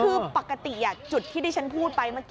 คือปกติจุดที่ที่ฉันพูดไปเมื่อกี้